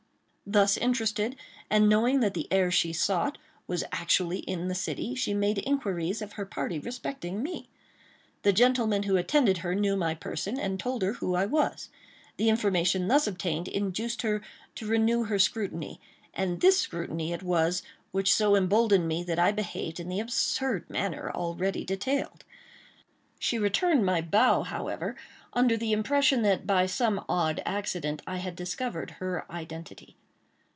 Thus interested, and knowing that the heir she sought was actually in the city, she made inquiries of her party respecting me. The gentleman who attended her knew my person, and told her who I was. The information thus obtained induced her to renew her scrutiny; and this scrutiny it was which so emboldened me that I behaved in the absurd manner already detailed. She returned my bow, however, under the impression that, by some odd accident, I had discovered her identity.